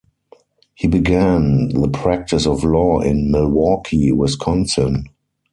He began the practice of law in Milwaukee, Wisconsin.